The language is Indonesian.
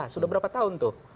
sudah berapa tahun tuh